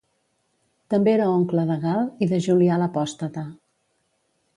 També era oncle de Gal i de Julià l'Apòstata.